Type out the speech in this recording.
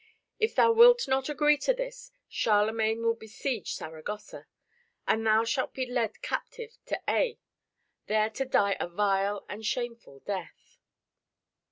If thou wilt not agree to this, Charlemagne will besiege Saragossa, and thou shalt be led captive to Aix, there to die a vile and shameful death."